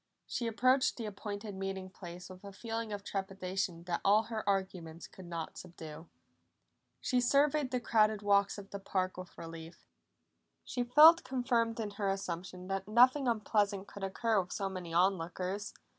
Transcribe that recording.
She approached the appointed meeting place with a feeling of trepidation that all her arguments could not subdue. She surveyed the crowded walks of the park with relief; she felt confirmed in her assumption that nothing unpleasant could occur with so many on lookers.